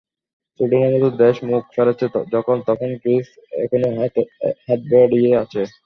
সুইডেনের মতো দেশ মুখ ফেরাচ্ছে যখন, তখন গ্রিস এখনো হাত বাড়িয়ে আছে।